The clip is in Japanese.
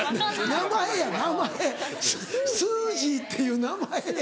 名前や名前スージーっていう名前や。